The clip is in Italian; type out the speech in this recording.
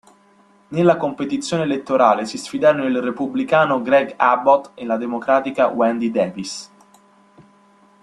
Nella competizione elettorale si sfidarono il repubblicano Greg Abbott e la democratica Wendy Davis.